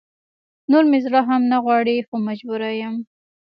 نور مې زړه هم نه غواړي خو مجبوره يم